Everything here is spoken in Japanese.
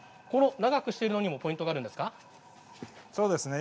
長くすることにもポイントがあるんですか？